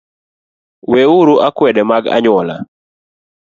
Weuru akwede mag anyuola